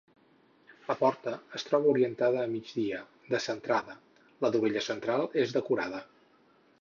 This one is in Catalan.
La porta es troba orientada a migdia, descentrada; la dovella central és decorada.